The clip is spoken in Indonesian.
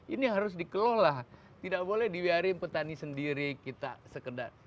ini harus dikelola tidak boleh dibiarin petani sendiri kita sekedar